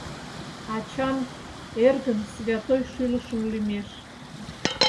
Ачан, эргын, святой шӱлышын лӱмеш.